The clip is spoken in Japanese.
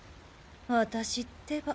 私ってば。